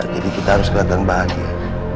jadi kita harus gelad dan bahagia